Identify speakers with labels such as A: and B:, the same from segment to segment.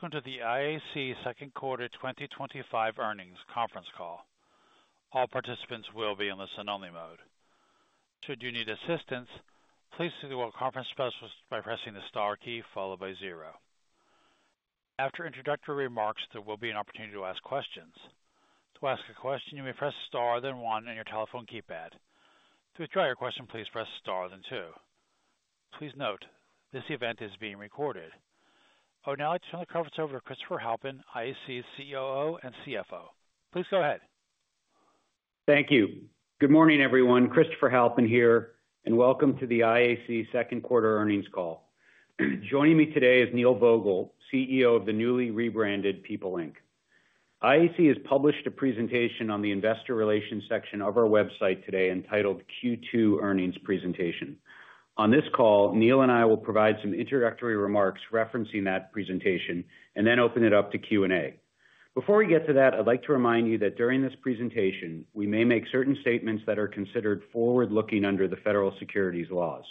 A: Hello, and welcome to the IAC second quarter 2025 earnings conference call. All participants will be in listen-only mode. Should you need assistance, please see the conference specialist by pressing the star key followed by zero. After introductory remarks, there will be an opportunity to ask questions. To ask a question, you may press star then one on your telephone keypad. To withdraw your question, please press star then two. Please note, this event is being recorded. I would now like to turn the conference over to Christopher Halpin, IAC's COO and CFO. Please go ahead.
B: Thank you. Good morning, everyone. Christopher Halpin here, and welcome to the IAC second quarter earnings call. Joining me today is Neil Vogel, CEO of the newly rebranded People Inc IAC has published a presentation on the investor relations section of our website today entitled Q2 Earnings Presentation. On this call, Neil and I will provide some introductory remarks referencing that presentation and then open it up to Q&A. Before we get to that, I'd like to remind you that during this presentation, we may make certain statements that are considered forward-looking under the federal securities laws.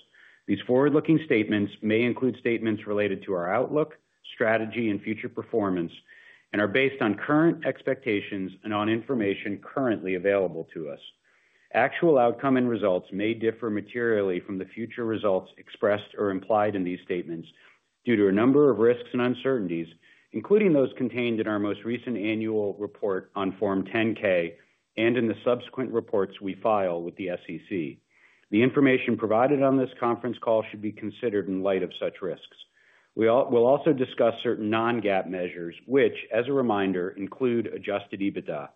B: These forward-looking statements may include statements related to our outlook, strategy, and future performance, and are based on current expectations and on information currently available to us. Actual outcome and results may differ materially from the future results expressed or implied in these statements due to a number of risks and uncertainties, including those contained in our most recent annual report on Form 10-K and in the subsequent reports we file with the SEC. The information provided on this conference call should be considered in light of such risks. We will also discuss certain non-GAAP measures, which, as a reminder, include Adjusted EBITDA,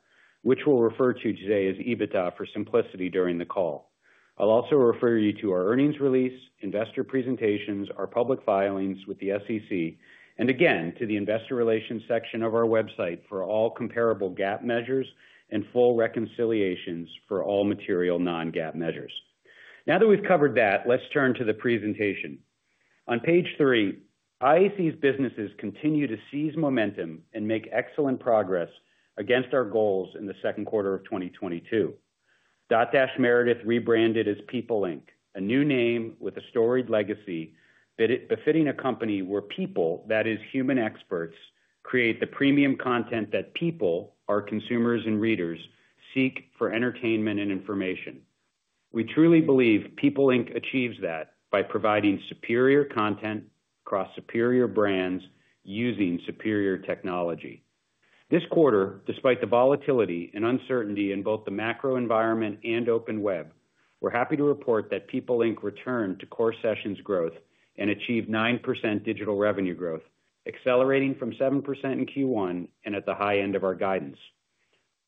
B: which we'll refer to today as EBITDA for simplicity during the call. I'll also refer you to our earnings release, investor presentations, our public filings with the SEC, and again, to the Investor Relations section of our website for all comparable GAAP measures and full reconciliations for all material non-GAAP measures. Now that we've covered that, let's turn to the presentation. On page three, IAC's businesses continue to seize momentum and make excellent progress against our goals in the second quarter of 2022. Dotdash Meredith rebranded as People Inc, a new name with a storied legacy befitting a company where people, that is, human experts, create the premium content that people, our consumers and readers, seek for entertainment and information. We truly believe People Inc achieves that by providing superior content across superior brands using superior technology. This quarter, despite the volatility and uncertainty in both the macro environment and open web, we're happy to report that People Inc returned to core sessions growth and achieved 9% digital revenue growth, accelerating from 7% in Q1 and at the high end of our guidance.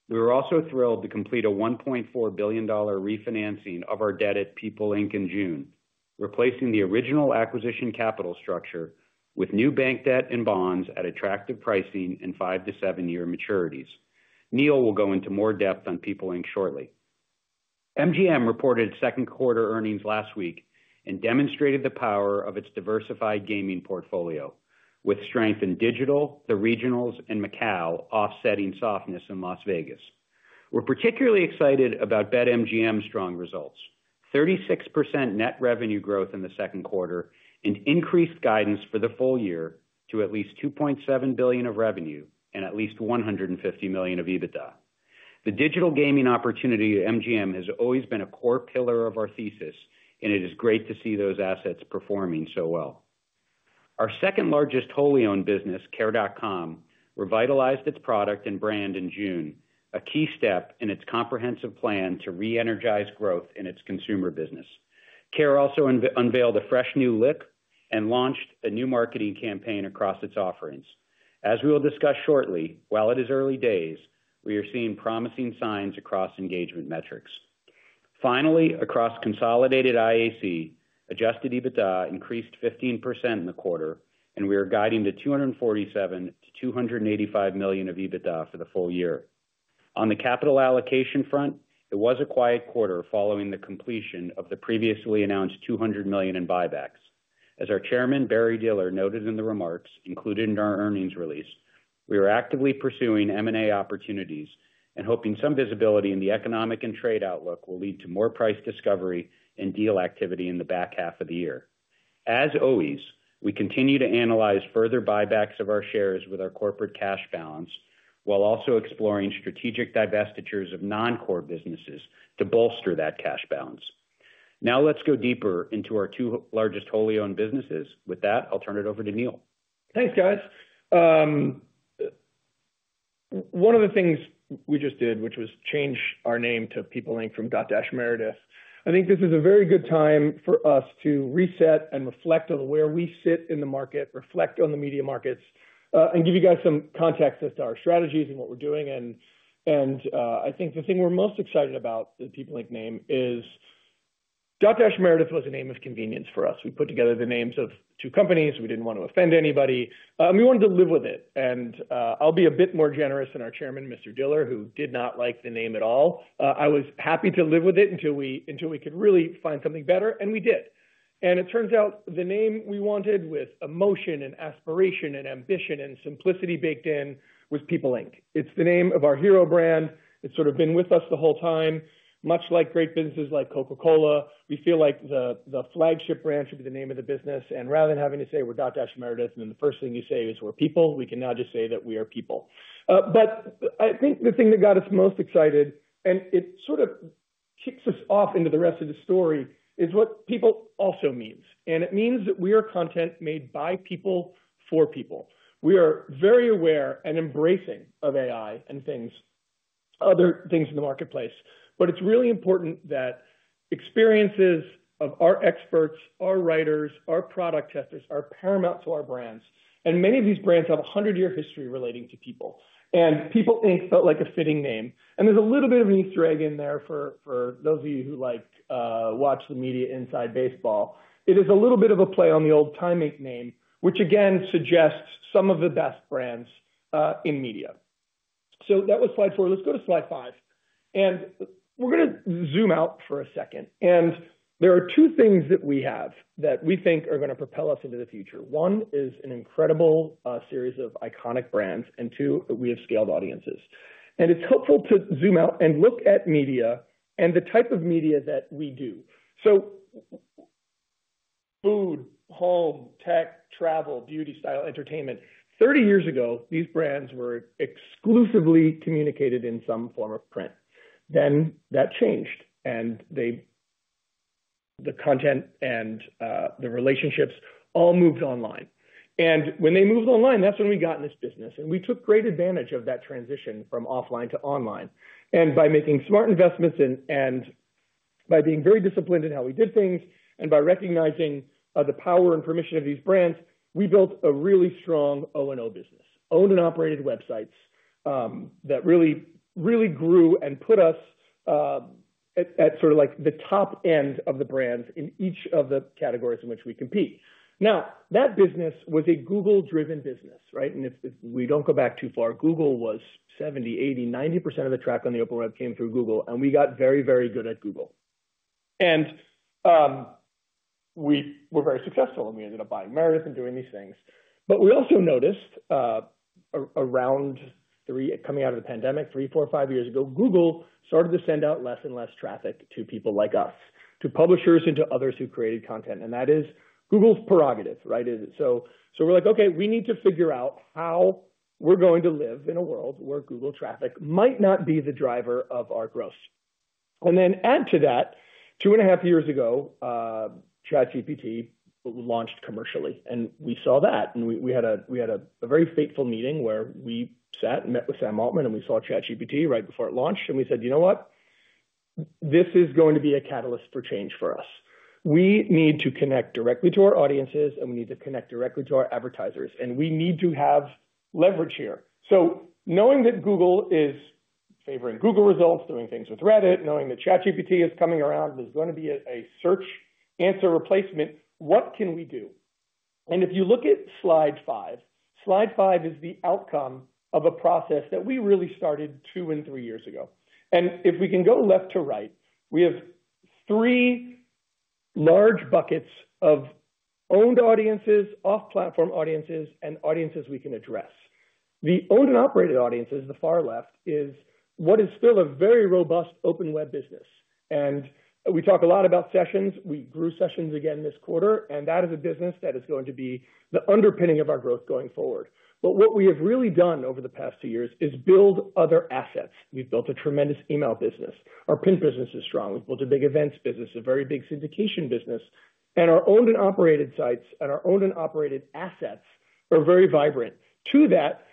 B: We were also thrilled to complete a $1.4 billion refinancing of our debt at People Inc in June Replacing the original acquisition capital structure with new bank debt and bonds at attractive pricing and five to seven-year maturities. Neil will go into more depth on People Inc shortly. MGM reported second quarter earnings last week and demonstrated the power of its diversified gaming portfolio, with strength in digital, the regionals, and Macao offsetting softness in Las Vegas. We're particularly excited about BetMGM's strong results: 36% net revenue growth in the second quarter and increased guidance for the full year to at least $2.7 billion of revenue and at least $150 million of EBITDA. The digital gaming opportunity of MGM has always been a core pillar of our thesis, and it is great to see those assets performing so well. Our second largest wholly owned business, care.com, revitalized its product and brand in June, a key step in its comprehensive plan to re-energize growth in its consumer business. Care also unveiled a fresh new look and launched a new marketing campaign across its offerings. As we will discuss shortly, while it is early days, we are seeing promising signs across engagement metrics. Finally, across consolidated IAC, Adjusted EBITDA increased 15% in the quarter, and we are guiding to $247 million-$285 million of EBITDA for the full year. On the capital allocation front, it was a quiet quarter following the completion of the previously announced $200 million in buybacks. As our Chairman Barry Diller noted in the remarks included in our earnings release, we are actively pursuing M&A opportunities and hoping some visibility in the economic and trade outlook will lead to more price discovery and deal activity in the back half of the year. As always, we continue to analyze further buybacks of our shares with our corporate cash balance, while also exploring strategic divestitures of non-core businesses to bolster that cash balance. Now let's go deeper into our two largest wholly owned businesses. With that, I'll turn it over to Neil.
C: Thanks, guys. One of the things we just did, which was change our name to People Inc from Dotdash Meredith, I think this is a very good time for us to reset and reflect on where we sit in the market, reflect on the media markets, and give you guys some context as to our strategies and what we're doing. I think the thing we're most excited about, the People Inc name, is Dotdash Meredith was a name of convenience for us. We put together the names of two companies. We didn't want to offend anybody. We wanted to live with it. I'll be a bit more generous than our Chairman, Mr. Diller, who did not like the name at all. I was happy to live with it until we could really find something better, and we did. It turns out the name we wanted with emotion and aspiration and ambition and simplicity baked in was People Inc It's the name of our hero brand. It's sort of been with us the whole time, much like great businesses like Coca-Cola. We feel like the flagship brand should be the name of the business. Rather than having to say we're Dotdash Meredith, and then the first thing you say is we're People, we can now just say that we are People. I think the thing that got us most excited, and it sort of kicks us off into the rest of the story, is what People also means. It means that we are content made by people for people. We are very aware and embracing of AI and things, other things in the marketplace. It's really important that experiences of our experts, our writers, our product testers are paramount to our brands. Many of these brands have a hundred-year history relating to people. People Inc felt like a fitting name. There's a little bit of an Easter egg in there for those of you who like to watch the media inside baseball. It is a little bit of a play on the old teammate name, which again suggests some of the best brands in media. That was slide four. Let's go to slide five. We're going to zoom out for a second. There are two things that we have that we think are going to propel us into the future. One is an incredible series of iconic brands, and two, that we have scaled audiences. It's helpful to zoom out and look at media and the type of media that we do. Food, home, tech, travel, beauty, style, entertainment. Thirty years ago, these brands were exclusively communicated in some form of print. That changed. The content and the relationships all moved online. When they moved online, that's when we got in this business. We took great advantage of that transition from offline to online. By making smart investments and by being very disciplined in how we did things, and by recognizing the power and permission of these brands, we built a really strong O&O business, owned and operated websites that really, really grew and put us at the top end of the brands in each of the categories in which we compete. That business was a Google-driven business, right? If we don't go back too far, Google was 70%, 80%, 90% of the traffic on the open web came through Google. We got very, very good at Google. We were very successful, and we ended up buying Meredith and doing these things. We also noticed around three, coming out of the pandemic, three, four, five years ago, Google started to send out less and less traffic to people like us, to publishers and to others who created content. That is Google's prerogative, right? We're like, okay, we need to figure out how we're going to live in a world where Google traffic might not be the driver of our growth. Add to that, two and a half years ago, ChatGPT launched commercially. We saw that. We had a very fateful meeting where we sat and met with Sam Altman, and we saw ChatGPT right before it launched. We said, you know what? This is going to be a catalyst for change for us. We need to connect directly to our audiences, and we need to connect directly to our advertisers. We need to have leverage here. Knowing that Google is favoring Google results, doing things with Reddit, knowing that ChatGPT is coming around, there's going to be a search answer replacement, what can we do? If you look at slide five, slide five is the outcome of a process that we really started two and three years ago. If we can go left to right, we have three large buckets of owned audiences, off-platform audiences, and audiences we can address. The owned and operated audiences, the far left, is what is still a very robust open web business. We talk a lot about sessions. We grew sessions again this quarter. That is a business that is going to be the underpinning of our growth going forward. What we have really done over the past two years is build other assets. We've built a tremendous email business. Our print business is strong. We've built a big events business, a very big syndication business. Our owned and operated sites and our owned and operated assets are very vibrant. To that,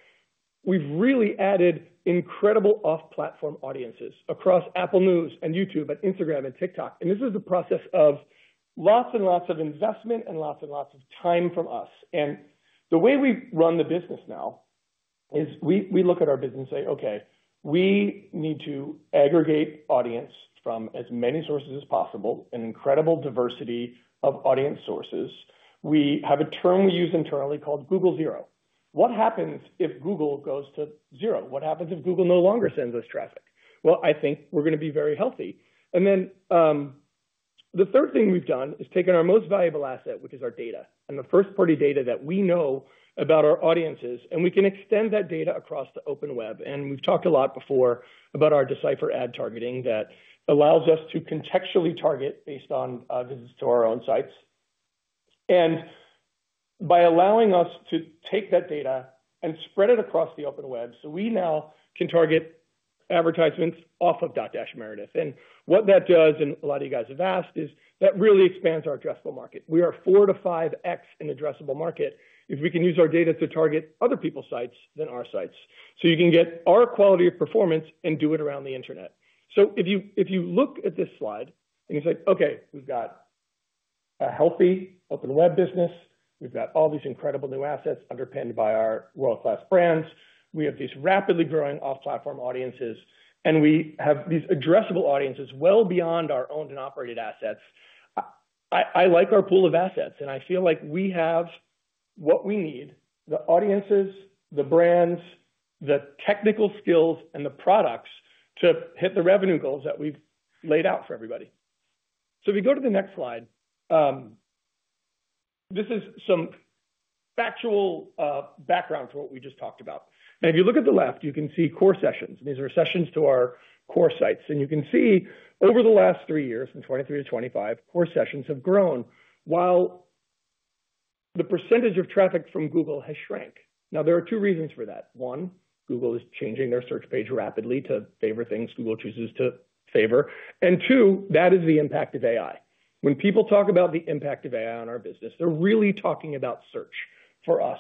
C: we've really added incredible off-platform audiences across Apple News, YouTube, Instagram, and TikTok. This is the process of lots and lots of investment and lots and lots of time from us. The way we run the business now is we look at our business and say, okay, we need to aggregate audience from as many sources as possible, an incredible diversity of audience sources. We have a term we use internally called Google Zero. What happens if Google goes to zero? What happens if Google no longer sends us traffic? I think we're going to be very healthy. The third thing we've done is taken our most valuable asset, which is our data, and the first-party data that we know about our audiences. We can extend that data across the open web. We've talked a lot before about our Decipher ad targeting that allows us to contextually target based on visits to our own sites. By allowing us to take that data and spread it across the open web, we now can target advertisements off of Dotdash Meredith. What that does, and a lot of you guys have asked, is that really expands our addressable market. We are four to five X in addressable market if we can use our data to target other people's sites than our sites. You can get our quality of performance and do it around the internet. If you look at this slide, it's like, okay, we've got a healthy open web business. We've got all these incredible new assets underpinned by our world-class brands. We have these rapidly growing off-platform audiences. We have these addressable audiences well beyond our owned and operated assets. I like our pool of assets. I feel like we have what we need: the audiences, the brands, the technical skills, and the products to hit the revenue goals that we've laid out for everybody. If we go to the next slide, this is some factual background for what we just talked about. If you look at the left, you can see core sessions. These are sessions to our core sites. You can see over the last three years, from 2023-2025, core sessions have grown while the percentage of traffic from Google has shrank. There are two reasons for that. One, Google is changing their search page rapidly to favor things Google chooses to favor. Two, that is the impact of AI. When people talk about the impact of AI on our business, they're really talking about search for us.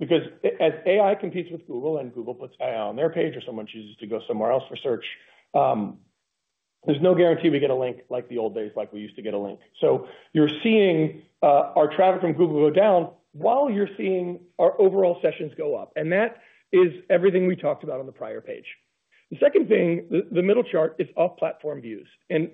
C: Because as AI competes with Google, and Google puts AI on their page, or someone chooses to go somewhere else for search, there's no guarantee we get a link like the old days, like we used to get a link. You're seeing our traffic from Google go down while you're seeing our overall sessions go up. That is everything we talked about on the prior page. The second thing, the middle chart is off-platform views.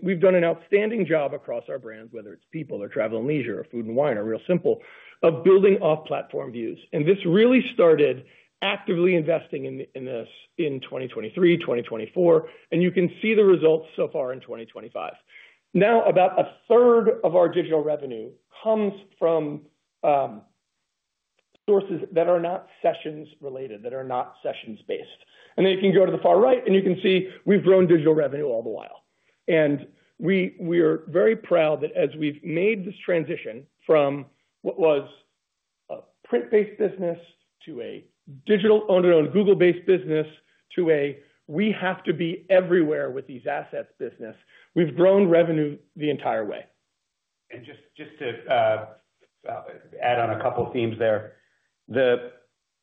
C: We've done an outstanding job across our brands, whether it's People or Travel and Leisure or Food and Wine or Real Simple, of building off-platform views. This really started actively investing in this in 2023, 2024. You can see the results so far in 2025. Now, about 1/3 of our digital revenue comes from sources that are not sessions related, that are not sessions based. You can go to the far right, and you can see we've grown digital revenue all the while. We are very proud that as we've made this transition from what was a print-based business to a digital-owned and owned Google-based business to a we have to be everywhere with these assets business, we've grown revenue the entire way.
B: To add on a couple of themes there,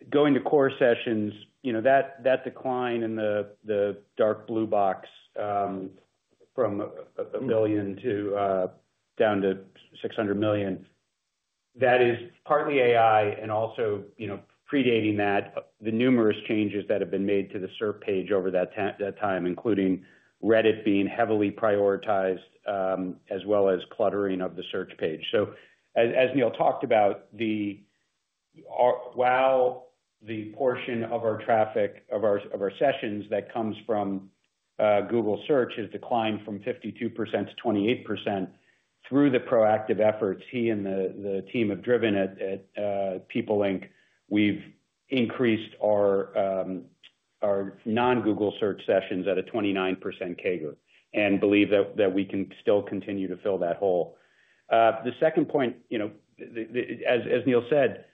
B: going to core sessions, that decline in the dark blue box from $1 billion down to $600 million is partly AI and also predating that, the numerous changes that have been made to the SERP page over that time, including Reddit being heavily prioritized, as well as cluttering of the search page. As Neil talked about, while the portion of our traffic, of our sessions that comes from Google search, has declined from 52%-28% through the proactive efforts he and the team have driven at People Inc, we've increased our non-Google search sessions at a 29% CAGR and believe that we can still continue to fill that hole. The second point, as Neil said,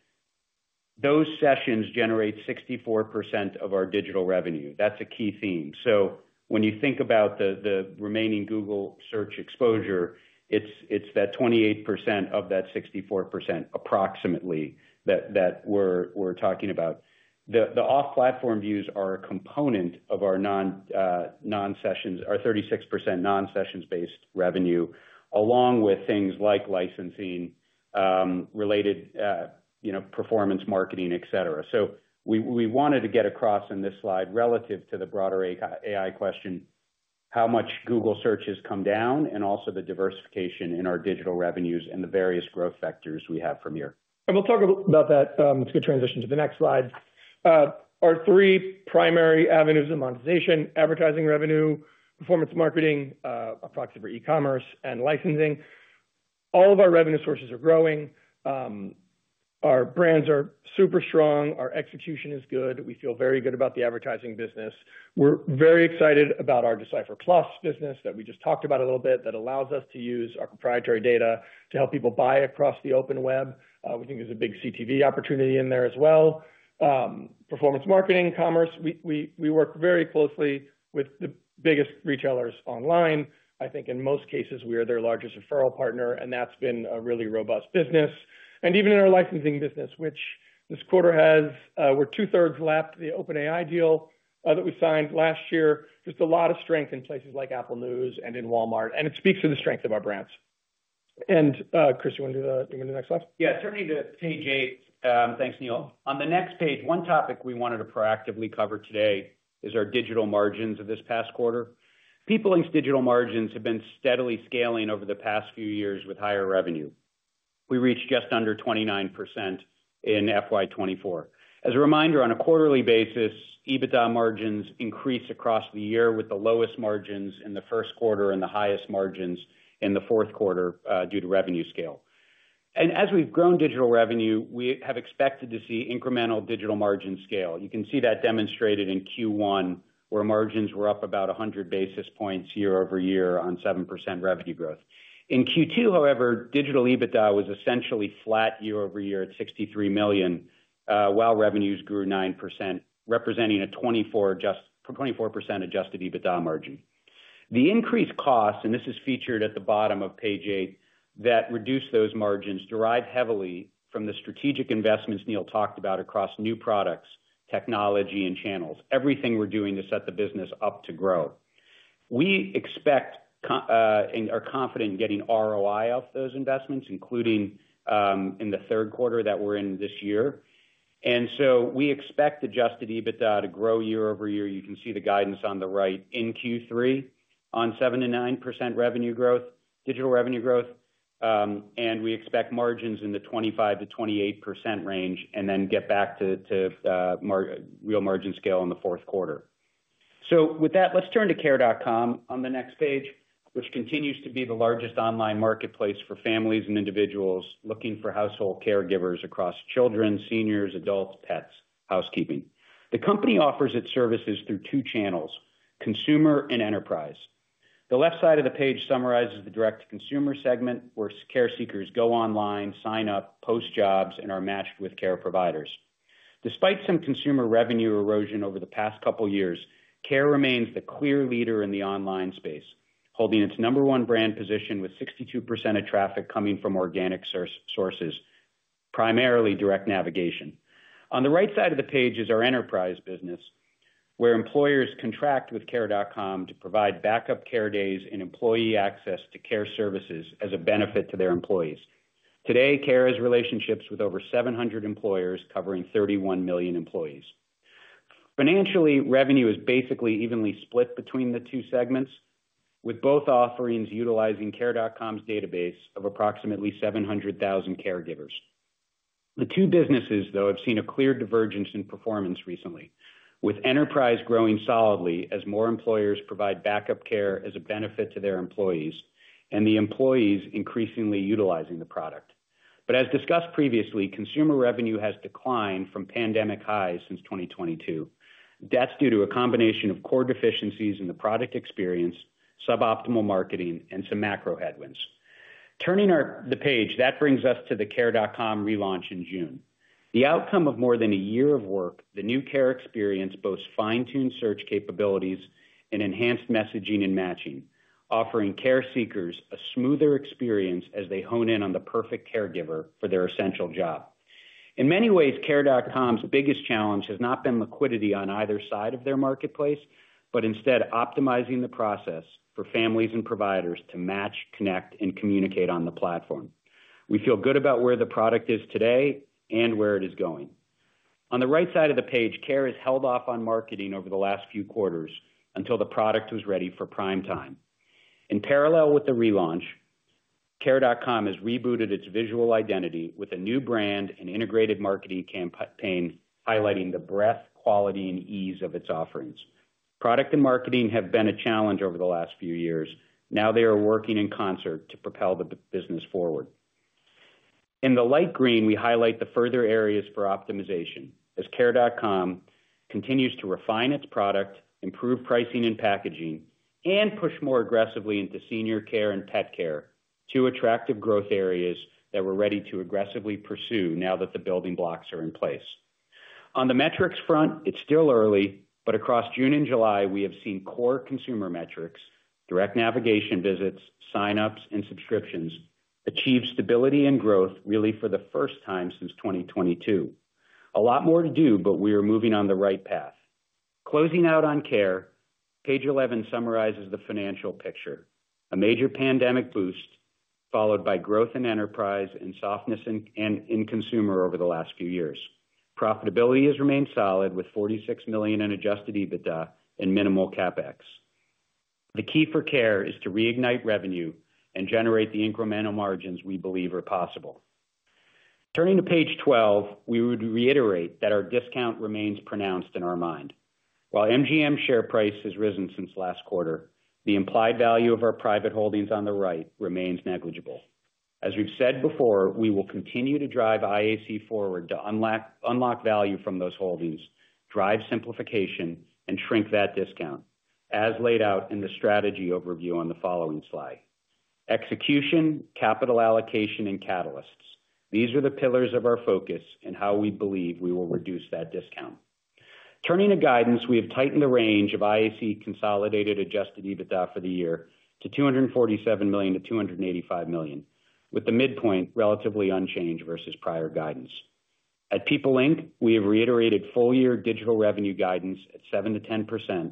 B: those sessions generate 64% of our digital revenue. That's a key theme. When you think about the remaining Google search exposure, it's that 28% of that 64% approximately that we're talking about. The off-platform views are a component of our non-sessions, our 36% non-sessions-based revenue, along with things like licensing, related performance marketing, et cetera. We wanted to get across in this slide relative to the broader AI question how much Google search has come down and also the diversification in our digital revenues and the various growth vectors we have from here.
C: Let's get a transition to the next slide. Our three primary avenues of monetization: advertising revenue, performance marketing, approximately for e-commerce, and licensing. All of our revenue sources are growing. Our brands are super strong. Our execution is good. We feel very good about the advertising business. We're very excited about our Decipher Plus business that we just talked about a little bit that allows us to use our proprietary data to help people buy across the open web. We think there's a big CTV opportunity in there as well. Performance marketing and commerce, we work very closely with the biggest retailers online. I think in most cases, we are their largest referral partner, and that's been a really robust business. Even in our licensing business, which this quarter has, we're 2/3 lapped the OpenAI deal that we signed last year. There is a lot of strength in places like Apple News and in Walmart. It speaks to the strength of our brands. Chris, you want to do the next slide?
B: Yeah, turning to page eight. Thanks, Neil. On the next page, one topic we wanted to proactively cover today is our digital margins of this past quarter. People Inc's digital margins have been steadily scaling over the past few years with higher revenue. We reached just under 29% in FY 2024. As a reminder, on a quarterly basis, EBITDA margins increase across the year with the lowest margins in the first quarter and the highest margins in the fourth quarter due to revenue scale. As we've grown digital revenue, we have expected to see incremental digital margin scale. You can see that demonstrated in Q1, where margins were up about 100 basis points year over year on 7% revenue growth. In Q2, however, digital EBITDA was essentially flat year over year at $63 million, while revenues grew 9%, representing a 24% Adjusted EBITDA margin. The increased costs, and this is featured at the bottom of page eight, that reduce those margins derive heavily from the strategic investments Neil talked about across new products, technology, and channels. Everything we're doing to set the business up to grow. We expect and are confident in getting ROI off those investments, including in the third quarter that we're in this year. We expect Adjusted EBITDA to grow year over year. You can see the guidance on the right in Q3 on 7%-9% revenue growth, digital revenue growth. We expect margins in the 25%-28% range and then get back to real margin scale in the fourth quarter. Let's turn to care.com on the next page, which continues to be the largest online marketplace for families and individuals looking for household caregivers across children, seniors, adults, pets, housekeeping. The company offers its services through two channels: consumer and enterprise. The left side of the page summarizes the direct to consumer segment, where care seekers go online, sign up, post jobs, and are matched with care providers. Despite some consumer revenue erosion over the past couple of years, Care remains the clear leader in the online space, holding its number one brand position with 62% of traffic coming from organic sources, primarily direct navigation. On the right side of the page is our enterprise business, where employers contract with care.com to provide backup care days and employee access to care services as a benefit to their employees. Today, Care has relationships with over 700 employers covering 31 million employees. Financially, revenue is basically evenly split between the two segments, with both offerings utilizing care.com's database of approximately 700,000 caregivers. The two businesses, though, have seen a clear divergence in performance recently, with enterprise growing solidly as more employers provide backup care as a benefit to their employees and the employees increasingly utilizing the product. As discussed previously, consumer revenue has declined from pandemic highs since 2022. That's due to a combination of core deficiencies in the product experience, suboptimal marketing, and some macro-economic headwinds. Turning the page, that brings us to the care.com relaunch in June. The outcome of more than a year of work, the new Care experience boasts fine-tuned search capabilities and enhanced messaging and matching, offering care seekers a smoother experience as they hone in on the perfect caregiver for their essential job. In many ways, care.com's biggest challenge has not been liquidity on either side of their marketplace, but instead optimizing the process for families and providers to match, connect, and communicate on the platform. We feel good about where the product is today and where it is going. On the right side of the page, Care has held off on marketing over the last few quarters until the product was ready for prime time. In parallel with the relaunch, care.com has rebooted its visual identity with a new brand and integrated marketing campaign highlighting the breadth, quality, and ease of its offerings. Product and marketing have been a challenge over the last few years. Now they are working in concert to propel the business forward. In the light green, we highlight the further areas for optimization as care.com continues to refine its product, improve pricing and packaging, and push more aggressively into senior care and pet care to attractive growth areas that we're ready to aggressively pursue now that the building blocks are in place. On the metrics front, it's still early, but across June and July, we have seen core consumer metrics, direct navigation visits, signups, and subscriptions achieve stability and growth really for the first time since 2022. A lot more to do, but we are moving on the right path. Closing out on Care, page 11 summarizes the financial picture: a major pandemic boost followed by growth in enterprise and softness in consumer over the last few years. Profitability has remained solid with $46 million in Adjusted EBITDA and minimal CapEx. The key for Care is to reignite revenue and generate the incremental margins we believe are possible. Turning to page 12, we would reiterate that our discount remains pronounced in our mind. While MGM's share price has risen since last quarter, the implied value of our private holdings on the right remains negligible. As we've said before, we will continue to drive IAC forward to unlock value from those holdings, drive simplification, and shrink that discount, as laid out in the strategy overview on the following slide. Execution, capital allocation, and catalysts, these are the pillars of our focus and how we believe we will reduce that discount. Turning to guidance, we have tightened the range of IAC consolidated Adjusted EBITDA for the year to $247 million-$285 million, with the midpoint relatively unchanged versus prior guidance. At People Inc, we have reiterated full-year digital revenue guidance at 7%-10%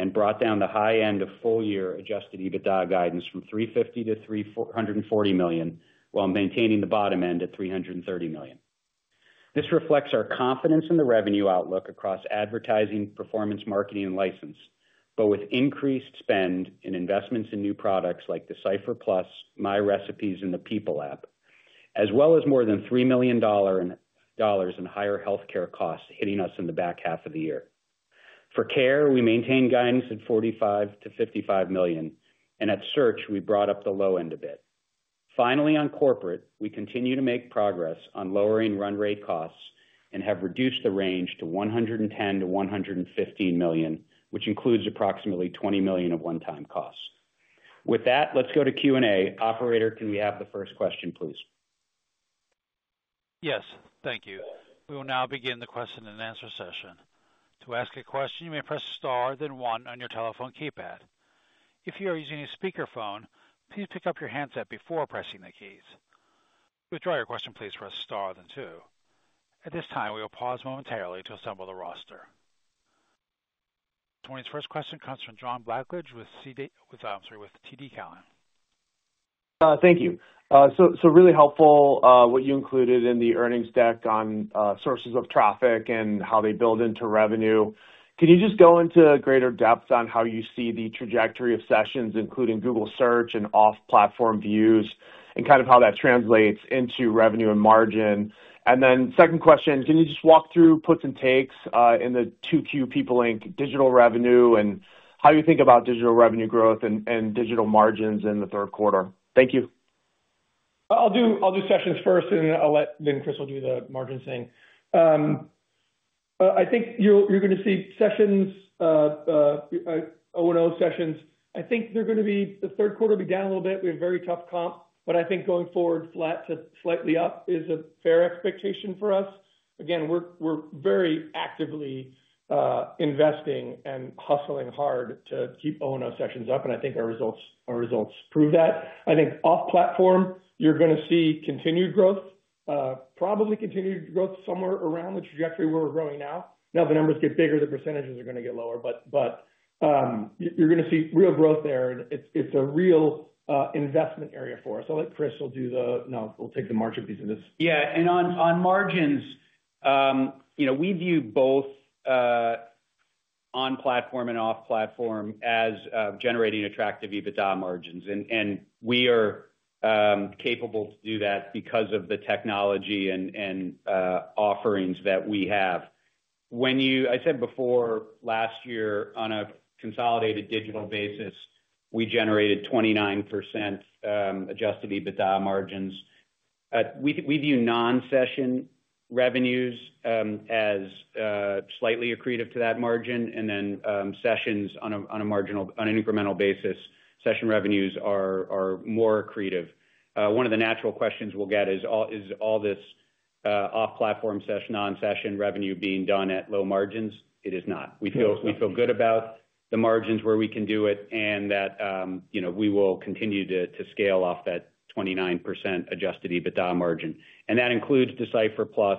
B: and brought down the high end of full-year Adjusted EBITDA guidance from $350 million-$340 million while maintaining the bottom end at $330 million. This reflects our confidence in the revenue outlook across advertising, performance marketing, and license, but with increased spend in investments in new products like Decipher Plus, MyRecipes, and the People App, as well as more than $3 million in higher healthcare costs hitting us in the back half of the year. For Care, we maintain guidance at $45 million-$55 million, and at search, we brought up the low end a bit. Finally, on corporate, we continue to make progress on lowering run rate costs and have reduced the range to $110 million-$115 million, which includes approximately $20 million of one-time costs. With that, let's go to Q&A. Operator, can we have the first question, please?
A: Yes, thank you. We will now begin the question-and-answer session. To ask a question, you may press star then one on your telephone keypad. If you are using a speakerphone, please pick up your handset before pressing the keys. To withdraw your question, please press star then two. At this time, we will pause momentarily to assemble the roster. The first question comes from John Blackledge with TD Cowen.
D: Thank you. Really helpful what you included in the earnings deck on sources of traffic and how they build into revenue. Can you go into greater depth on how you see the trajectory of sessions, including Google search and off-platform views, and how that translates into revenue and margin? Second question, can you walk through puts and takes in the 2Q People Inc digital revenue and how you think about digital revenue growth and digital margins in the third quarter?
C: Thank you. I'll do sessions first, and then Chris will do the margin thing. I think you're going to see sessions, O&O sessions. I think they're going to be, the third quarter will be down a little bit. We have very tough comp, but I think going forward flat to slightly up is a fair expectation for us. We're very actively investing and hustling hard to keep O&O sessions up, and I think our results prove that. I think off-platform, you're going to see continued growth, probably continued growth somewhere around the trajectory where we're growing now. Now the numbers get bigger, the percentages are going to get lower, but you're going to see real growth there, and it's a real investment area for us. I'll let Chris take the margin piece of this.
B: Yeah, and on margins, you know we view both on-platform and off-platform as generating attractive EBITDA margins, and we are capable to do that because of the technology and offerings that we have. When you, I said before, last year on a consolidated digital basis, we generated 29% Adjusted EBITDA margins. We view non-session revenues as slightly accretive to that margin, and then sessions on an incremental basis, session revenues are more accretive. One of the natural questions we'll get is all this off-platform session, non-session revenue being done at low margins? It is not. We feel good about the margins where we can do it and that we will continue to scale off that 29% Adjusted EBITDA margin. That includes Decipher Plus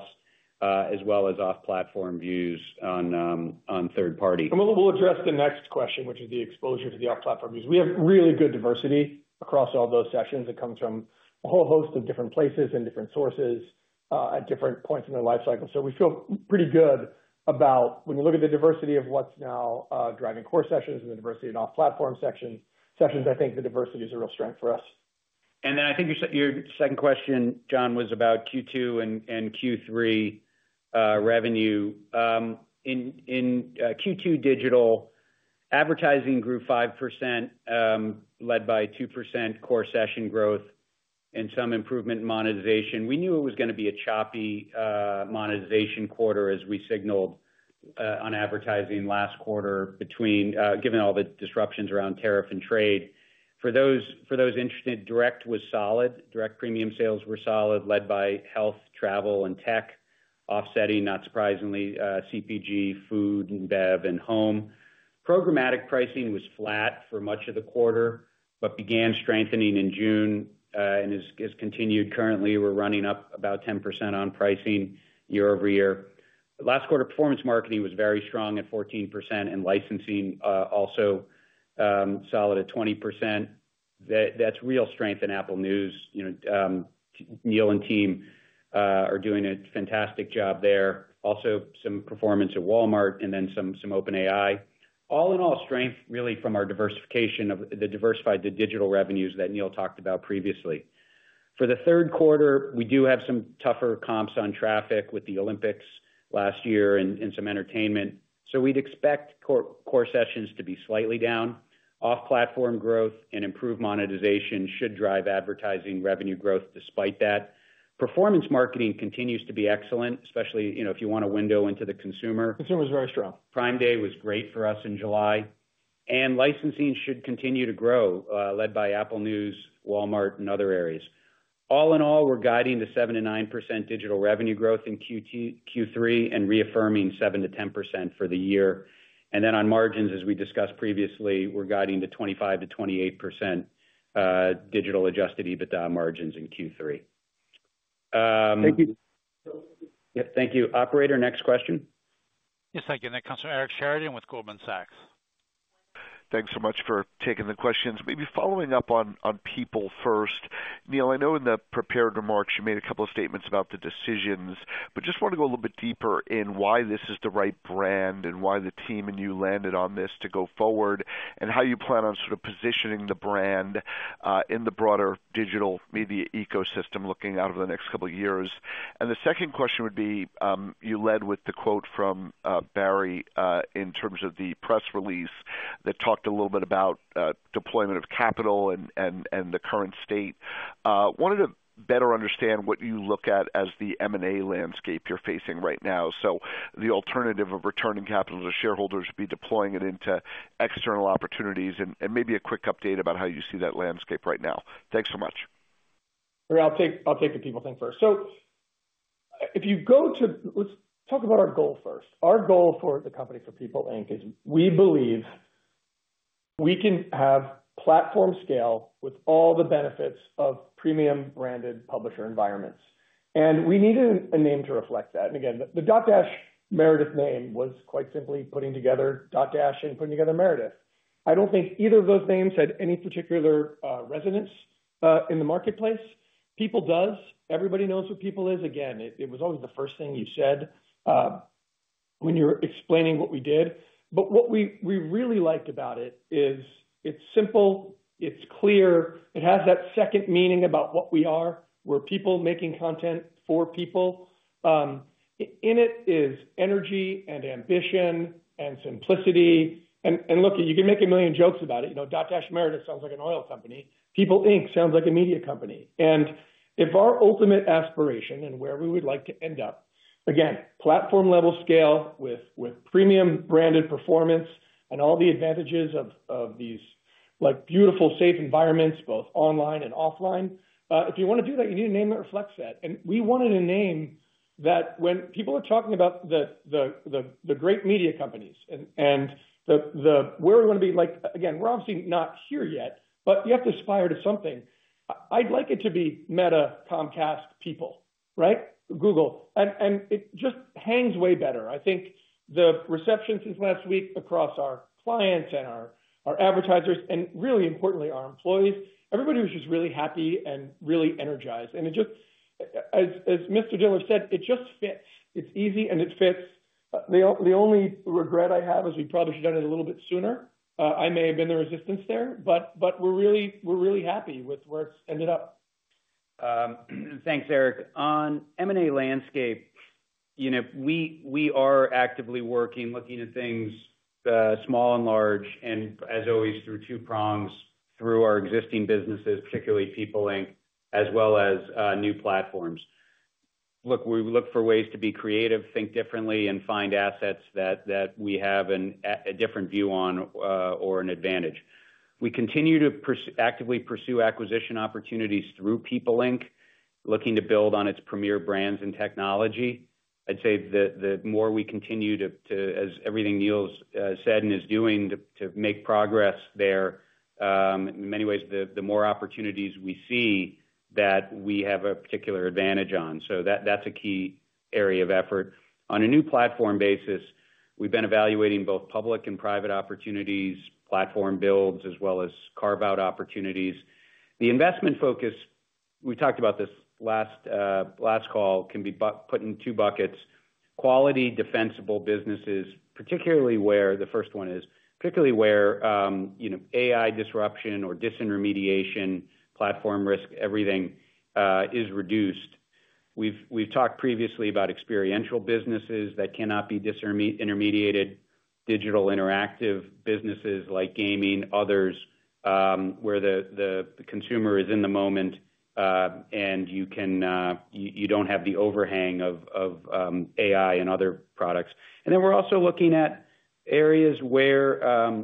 B: as well as off-platform views on third party.
C: We'll address the next question, which is the exposure to the off-platform views. We have really good diversity across all those sessions. It comes from a whole host of different places and different sources at different points in their life cycles. We feel pretty good about when you look at the diversity of what's now driving core sessions and the diversity in off-platform sessions. I think the diversity is a real strength for us.
B: I think your second question, John, was about Q2 and Q3 revenue. In Q2 digital advertising grew 5% led by 2% core session growth and some improvement in monetization. We knew it was going to be a choppy monetization quarter as we signaled on advertising last quarter given all the disruptions around tariff and trade. For those interested, direct was solid. Direct premium sales were solid led by health, travel, and tech. Offsetting, not surprisingly, CPG, food, BEV, and home. Programmatic pricing was flat for much of the quarter but began strengthening in June and has continued currently. We're running up about 10% on pricing year over year. Last quarter performance marketing was very strong at 14% and licensing also solid at 20%. That's real strength in Apple News. Neil and team are doing a fantastic job there. Also, some performance at Walmart and then some OpenAI. All in all, strength really from our diversification of the diversified digital revenues that Neil talked about previously. For the third quarter, we do have some tougher comps on traffic with the Olympics last year and some entertainment. We would expect core sessions to be slightly down. Off-platform growth and improved monetization should drive advertising revenue growth despite that. Performance marketing continues to be excellent, especially if you want a window into the consumer.
C: Consumer is very strong.
B: Prime Day was great for us in July. Licensing should continue to grow led by Apple News, Walmart, and other areas. All in all, we're guiding to 7%-9% digital revenue growth in Q3 and reaffirming 7%-10% for the year. On margins, as we discussed previously, we're guiding to 25%-28% digital Adjusted EBITDA margins in Q3.
D: Thank you.
B: Thank you. Operator, next question.
A: Yes, thank you. That comes from Eric Sheridan with Goldman Sachs.
E: Thanks so much for taking the questions. Maybe following up on People first. Neil, I know in the prepared remarks you made a couple of statements about the decisions, but just want to go a little bit deeper in why this is the right brand and why the team and you landed on this to go forward and how you plan on sort of positioning the brand in the broader digital media ecosystem looking out over the next couple of years. The second question would be you led with the quote from Barry in terms of the press release that talked a little bit about deployment of capital and the current state. Wanted to better understand what you look at as the M&A landscape you're facing right now. The alternative of returning capital to shareholders would be deploying it into external opportunities and maybe a quick update about how you see that landscape right now. Thanks so much.
C: I'll take the People thing first. If you go to, let's talk about our goal first. Our goal for the company, for People Inc, is we believe we can have platform scale with all the benefits of premium branded publisher environments. We needed a name to reflect that. The Dotdash Meredith name was quite simply putting together Dotdash and putting together Meredith. I don't think either of those names had any particular resonance in the marketplace. People does. Everybody knows what People is. It was always the first thing you said when you were explaining what we did. What we really liked about it is it's simple, it's clear, it has that second meaning about what we are. We're people making content for people. In it is energy and ambition and simplicity. You can make a million jokes about it. Dotdash Meredith sounds like an oil company. People Inc sounds like a media company. If our ultimate aspiration and where we would like to end up, platform level scale with premium branded performance and all the advantages of these beautiful safe environments, both online and offline. If you want to do that, you need a name that reflects that. We wanted a name that when people are talking about the great media companies and where we want to be, we're obviously not here yet, but you have to aspire to something. I'd like it to be Meta, Comcast, People, right? Google. It just hangs way better. I think the reception since last week across our clients and our advertisers and really importantly, our employees, everybody was just really happy and really energized. As Mr. Diller said, it just fits. It's easy and it fits. The only regret I have is we probably should have done it a little bit sooner. I may have been the resistance there, but we're really happy with where it's ended up.
B: Thanks, Eric. On M&A landscape, we are actively working, looking at things small and large and as always through two prongs, through our existing businesses, particularly People Inc, as well as new platforms. We look for ways to be creative, think differently, and find assets that we have a different view on or an advantage. We continue to actively pursue acquisition opportunities through People Inc, looking to build on its premier brands and technology. I'd say the more we continue to, as everything Neil's said and is doing, to make progress there, in many ways, the more opportunities we see that we have a particular advantage on. That's a key area of effort. On a new platform basis, we've been evaluating both public and private opportunities, platform builds, as well as carve-out opportunities. The investment focus, we talked about this last call, can be put in two buckets: quality, defensible businesses, particularly where the first one is, particularly where AI disruption or disintermediation, platform risk, everything is reduced. We've talked previously about experiential businesses that cannot be disintermediated, digital interactive businesses like gaming, others, where the consumer is in the moment and you don't have the overhang of AI and other products. We're also looking at areas where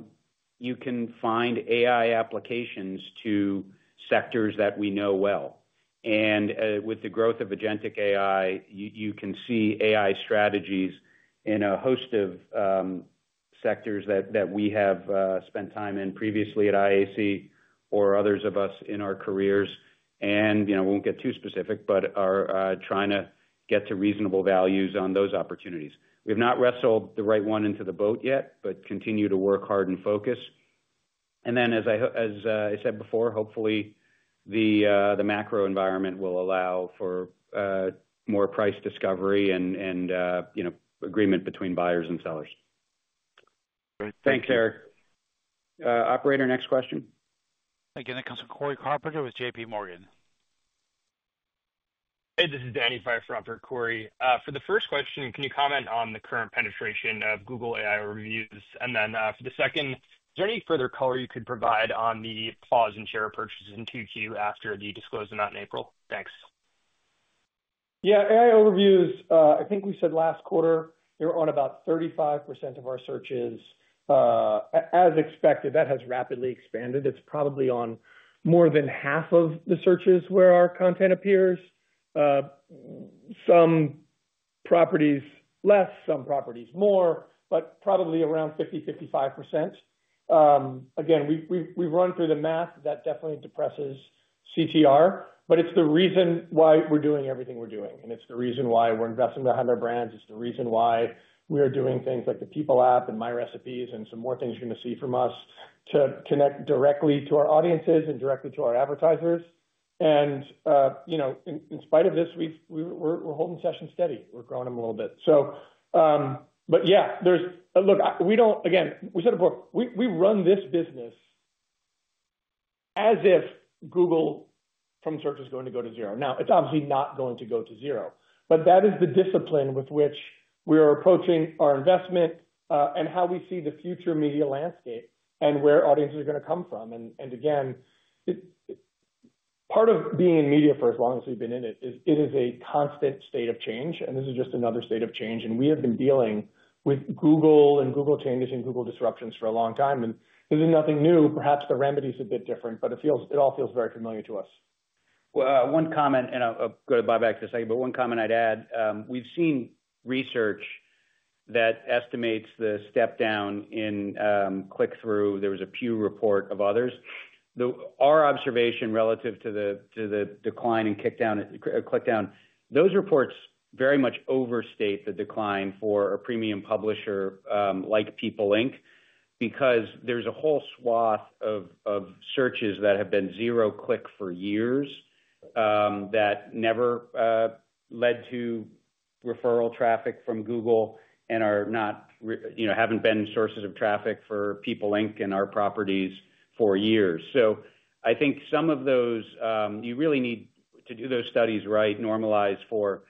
B: you can find AI applications to sectors that we know well. With the growth of Agentic AI, you can see AI strategies in a host of sectors that we have spent time in previously at IAC or others of us in our careers. We won't get too specific, but are trying to get to reasonable values on those opportunities. We have not wrestled the right one into the boat yet, but continue to work hard and focus. As I said before, hopefully, the macro environment will allow for more price discovery and agreement between buyers and sellers. Thanks, Eric. Operator, next question.
A: Again, it comes from Cory Carpenter with JPMorgan.
F: Hey, this is Danny Feuer on for Cory, for the first question, can you comment on the current penetration of Google AI Overviews? For the second, is there any further color you could provide on the pause in share purchases in 2Q after the disclosure, not in April? Thanks.
C: Yeah, AI Overviews, I think we said last quarter they were on about 35% of our searches. As expected, that has rapidly expanded. It's probably on more than half of the searches where our content appears. Some properties less, some properties more, but probably around 50%, 55%. We've run through the math that definitely depresses CTR, but it's the reason why we're doing everything we're doing. It's the reason why we're investing behind our brands. It's the reason why we are doing things like the People App and MyRecipes and some more things you're going to see from us to connect directly to our audiences and directly to our advertisers. You know, in spite of this, we're holding sessions steady. We're growing them a little bit. There's, look, we don't, again, we said it before, we run this business as if Google from search is going to go to zero. Now, it's obviously not going to go to zero, but that is the discipline with which we are approaching our investment and how we see the future media landscape and where audiences are going to come from. Part of being in media for as long as we've been in it is it is a constant state of change. This is just another state of change. We have been dealing with Google and Google changes and Google disruptions for a long time. It is nothing new. Perhaps the remedy is a bit different, but it all feels very familiar to us.
B: One comment I'd add, we've seen research that estimates the step down in click-through. There was a Pew report and others. Our observation relative to the decline in click-down is that those reports very much overstate the decline for a premium publisher like People Inc because there's a whole swath of searches that have been zero-click for years that never led to referral traffic from Google and haven't been sources of traffic for People Inc and our properties for years. I think some of those, you really need to do those studies right, normalize for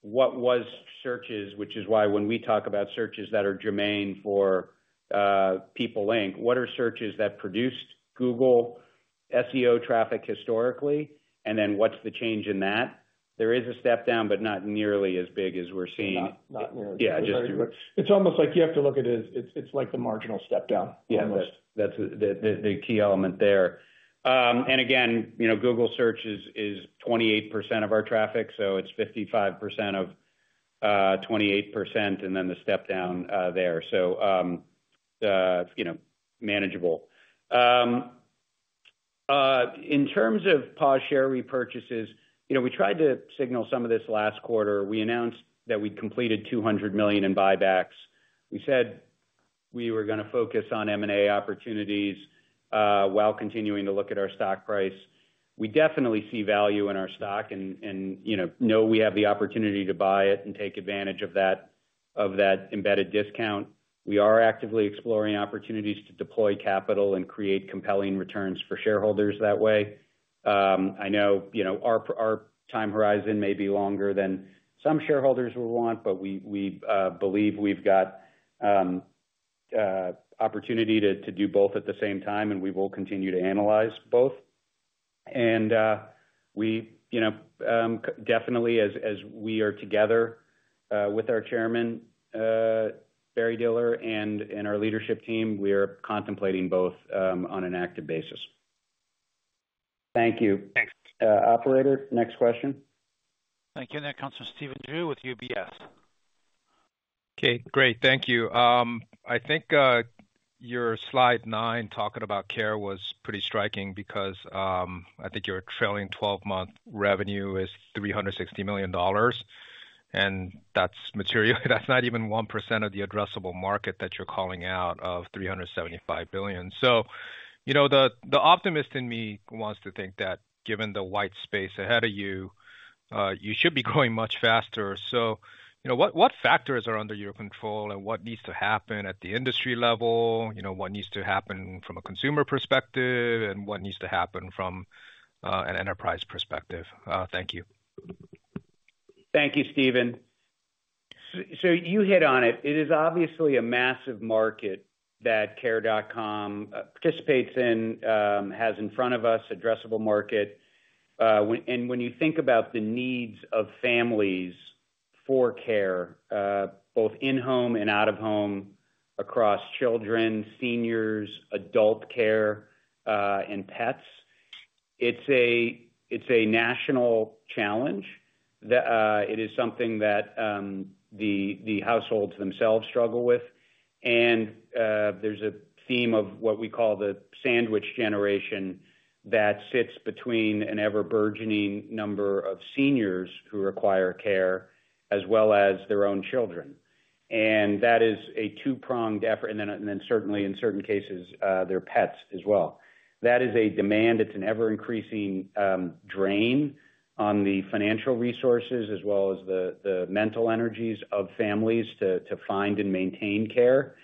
B: what was searches, which is why when we talk about searches that are germane for People Inc, what are searches that produced Google SEO traffic historically, and then what's the change in that? There is a step down, but not nearly as big as we're seeing.
C: It's almost like you have to look at it as it's like the marginal step down almost.
B: Yeah, that's the key element there. Again, you know, Google search is 28% of our traffic, so it's 55% of 28% and then the step down there. Manageable. In terms of share repurchases, we tried to signal some of this last quarter. We announced that we'd completed $200 million in buybacks. We said we were going to focus on M&A opportunities while continuing to look at our stock price. We definitely see value in our stock and know we have the opportunity to buy it and take advantage of that embedded discount. We are actively exploring opportunities to deploy capital and create compelling returns for shareholders that way. I know our time horizon may be longer than some shareholders will want, but we believe we've got opportunity to do both at the same time, and we will continue to analyze both. As we are together with our Chairman, Barry Diller, and our leadership team, we are contemplating both on an active basis. Thank you.
F: Thanks.
B: Operator, next question.
A: Thank you. That comes from Steven Zhu with UBS.
G: Okay, great. Thank you. I think your slide nine talking about care.com was pretty striking because I think your trailing 12-month revenue is $360 million. That's material. That's not even 1% of the addressable market that you're calling out of $375 billion. The optimist in me wants to think that given the white space ahead of you, you should be growing much faster. What factors are under your control and what needs to happen at the industry level? What needs to happen from a consumer perspective and what needs to happen from an enterprise perspective? Thank you.
B: Thank you, Steven. You hit on it. It is obviously a massive market that care.com participates in, has in front of us, addressable market. When you think about the needs of families for care, both in-home and out of home, across children, seniors, adult care, and pets, it's a national challenge. It is something that the households themselves struggle with. There is a theme of what we call the sandwich generation that sits between an ever-burgeoning number of seniors who require care, as well as their own children. That is a two-pronged effort. In certain cases, their pets as well. That is a demand. It's an ever-increasing drain on the financial resources, as well as the mental energies of families to find and maintain care.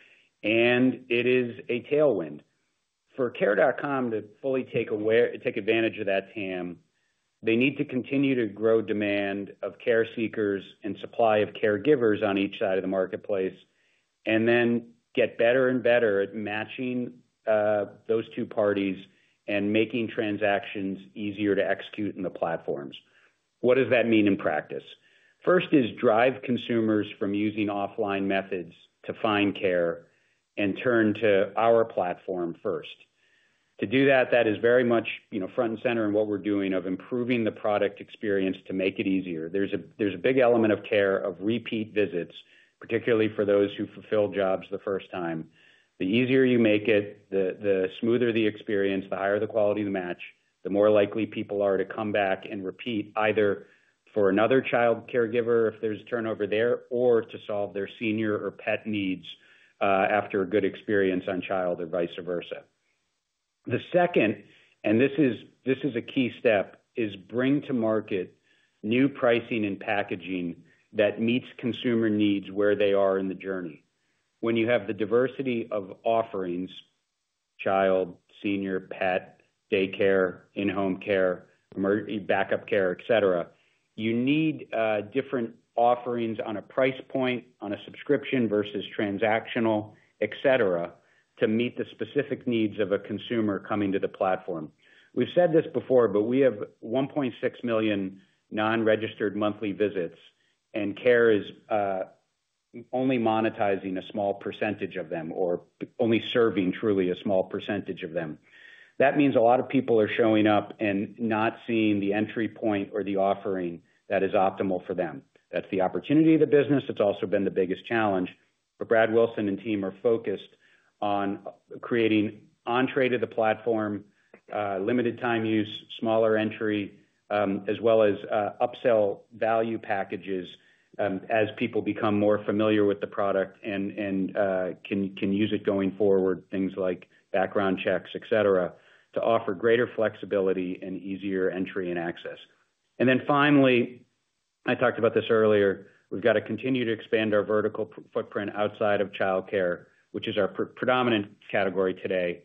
B: It is a tailwind. For care.com to fully take advantage of that TAM, they need to continue to grow demand of care seekers and supply of caregivers on each side of the marketplace and then get better and better at matching those two parties and making transactions easier to execute in the platforms. What does that mean in practice? First is drive consumers from using offline methods to find care and turn to our platform first. To do that, that is very much front and center in what we're doing of improving the product experience to make it easier. There is a big element of care of repeat visits, particularly for those who fulfill jobs the first time. The easier you make it, the smoother the experience, the higher the quality of the match, the more likely people are to come back and repeat either for another child caregiver if there's turnover there or to solve their senior or pet needs after a good experience on child or vice versa. The second, and this is a key step, is bring to market new pricing and packaging that meets consumer needs where they are in the journey. When you have the diversity of offerings, child, senior, pet, daycare, in-home care, backup care, etc., you need different offerings on a price point, on a subscription versus transactional, etc., to meet the specific needs of a consumer coming to the platform. We've said this before, but we have 1.6 million non-registered monthly visits, and care.com is only monetizing a small percentage of them or only serving truly a small percentage of them. That means a lot of people are showing up and not seeing the entry point or the offering that is optimal for them. That's the opportunity of the business. It's also been the biggest challenge. Brad Wilson and team are focused on creating entry to the platform, limited time use, smaller entry, as well as upsell value packages as people become more familiar with the product and can use it going forward, things like background checks, etc, to offer greater flexibility and easier entry and access. Finally, I talked about this earlier, we've got to continue to expand our vertical footprint outside of childcare, which is our predominant category today.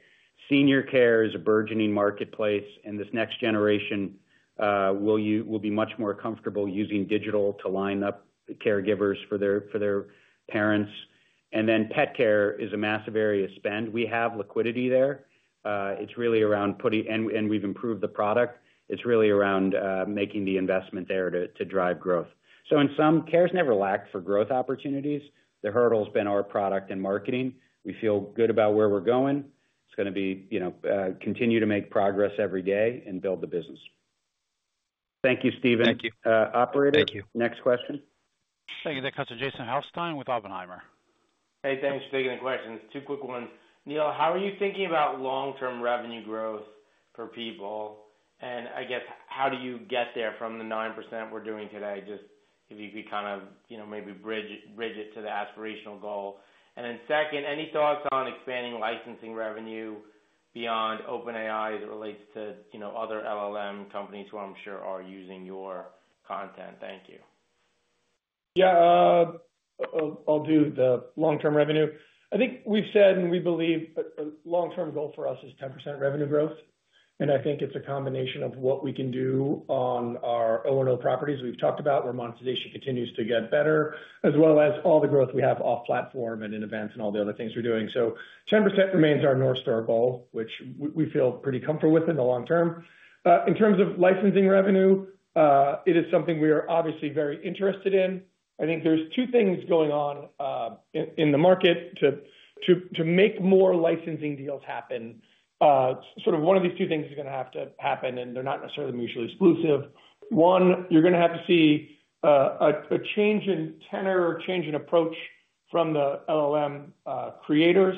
B: Senior care is a burgeoning marketplace, and this next generation will be much more comfortable using digital to line up caregivers for their parents. Pet care is a massive area of spend. We have liquidity there. It's really around putting, and we've improved the product. It's really around making the investment there to drive growth. In sum, Care's never lacked for growth opportunities. The hurdle has been our product and marketing. We feel good about where we're going. It's going to be, you know, continue to make progress every day and build the business. Thank you, Steven.
G: Thank you.
B: Operator.Next question.
A: Thank you. That comes from Jason Helfstein with Oppenheimer.
H: Hey, thanks for taking the question. It's a two-quick one. Neil, how are you thinking about long-term revenue growth for People? How do you get there from the 9% we're doing today? If you could maybe bridge it to the aspirational goal. Second, any thoughts on expanding licensing revenue beyond OpenAI as it relates to other LLM providers who I'm sure are using your content? Thank you.
C: Yeah, I'll do the long-term revenue. I think we've said and we believe a long-term goal for us is 10% revenue growth. I think it's a combination of what we can do on our O&O properties we've talked about, where monetization continues to get better, as well as all the growth we have off-platform and in events and all the other things we're doing. 10% remains our North Star goal, which we feel pretty comfortable with in the long term. In terms of licensing revenue, it is something we are obviously very interested in. I think there's two things going on in the market to make more licensing deals happen. One of these two things is going to have to happen, and they're not necessarily mutually exclusive. One, you're going to have to see a change in tenor or a change in approach from the LLM providers.